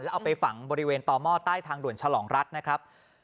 เอาไปฝังบริเวณต่อหม้อใต้ทางด่วนฉลองรัฐนะครับ